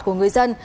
của người dân